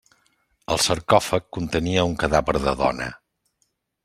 El sarcòfag contenia un cadàver de dona.